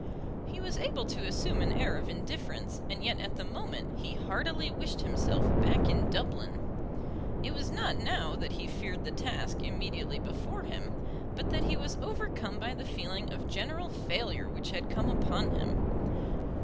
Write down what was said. He was able to assume an air of indifference, and yet at the moment he heartily wished himself back in Dublin. It was not now that he feared the task immediately before him, but that he was overcome by the feeling of general failure which had come upon him.